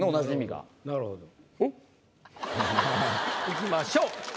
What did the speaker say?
いきましょう。